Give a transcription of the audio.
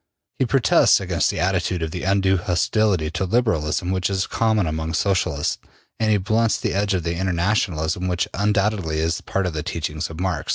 He protests against the attitude of undue hostility to Liberalism which is common among Socialists, and he blunts the edge of the Internationalism which undoubtedly is part of the teachings of Marx.